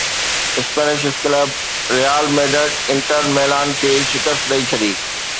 Spanish club Real Madrid Inter Milan کي شڪست ڏئي ڇڏي